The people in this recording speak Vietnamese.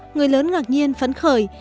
người lớn ngạc nhiên phấn khởi